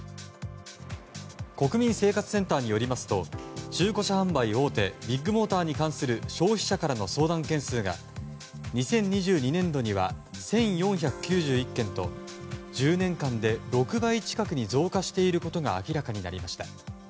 国民生活センターによりますと中古車販売大手ビッグモーターに関する消費者からの相談件数が２０２２年度には１４９１件と１０年間で６倍近くに増加していることが明らかになりました。